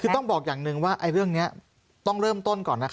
คือต้องบอกอย่างหนึ่งว่าเรื่องนี้ต้องเริ่มต้นก่อนนะคะ